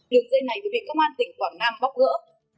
đường dây này được vị công an tỉnh quảng nam bóc gỡ